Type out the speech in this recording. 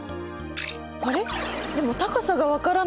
あれ？